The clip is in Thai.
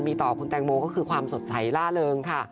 มีต่อคือความสดใสหร่าเริงค่ะ